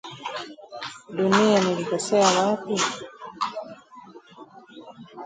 Dunia nilikosea wapi?!!